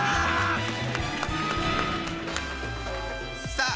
さあ